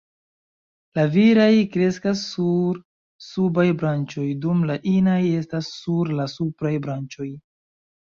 La viraj kreskas sur subaj branĉoj, dum la inaj estas sur la supraj branĉoj.